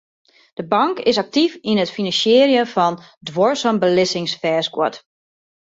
De bank is aktyf yn it finansierjen fan duorsum belizzingsfêstguod.